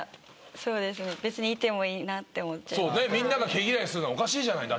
みんなが毛嫌いするのはおかしいじゃないだって。